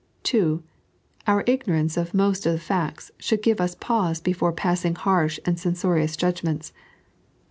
(2) Our ignorance of most of Ihe facts should give us pause before passing harsh and censorious judgmeute.